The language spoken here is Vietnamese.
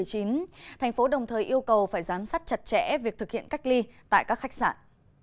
thành phố đồng thời yêu cầu phải giám sát chặt chẽ việc thực hiện cách ly tại các khách sạn